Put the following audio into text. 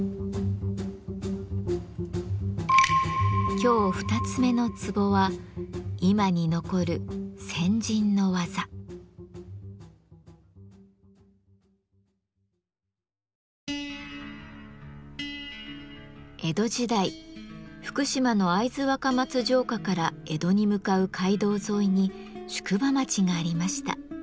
今日二つ目のツボは江戸時代福島の会津若松城下から江戸に向かう街道沿いに宿場町がありました。